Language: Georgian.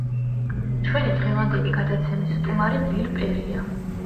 ჩვენი დღევანდელი გადაცემის სტუმარი ბილ პერია.